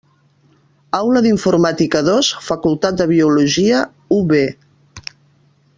Aula d'informàtica dos Facultat de Biologia, UB.